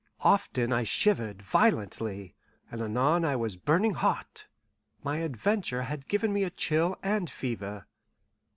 Often I shivered violently, and anon I was burning hot; my adventure had given me a chill and fever.